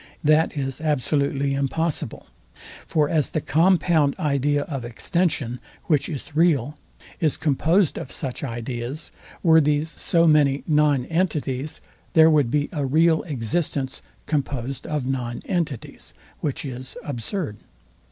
That is absolutely impossible. For as the compound idea of extension, which is real, is composed of such ideas; were these so many non entities, there would be a real existence composed of non entities; which is absurd.